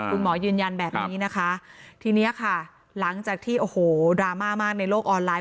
ยืนยันแบบนี้นะคะทีนี้ค่ะหลังจากที่โอ้โหดราม่ามากในโลกออนไลน